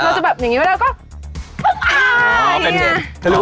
เราจะแบบอย่างนี้ไว้แล้วก็